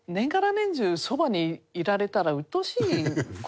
年中そばにいられたらうっとうしい事もあるでしょ？